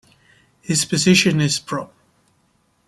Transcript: His position is prop.